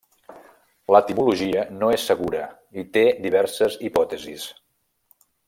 L'etimologia no és segura i té diverses hipòtesis.